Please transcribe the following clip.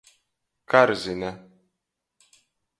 Karzine.